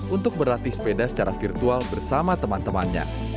untuk berlatih sepeda secara virtual bersama teman temannya